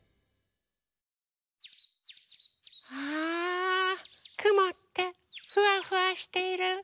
あくもってフワフワしている。